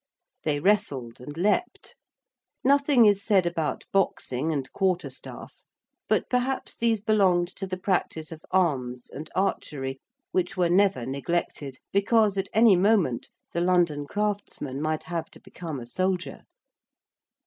They wrestled and leaped. Nothing is said about boxing and quarterstaff. But perhaps these belonged to the practice of arms and archery, which were never neglected, because at any moment the London craftsman might have to become a soldier.